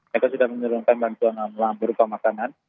mereka sudah menyuruhkan bantuan melambirkan makanan